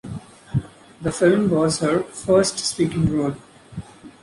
The film was her first speaking role.